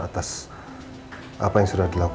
atas apa yang sudah dilakukan